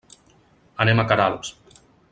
Anem a Queralbs.